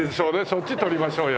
そっち採りましょうよ。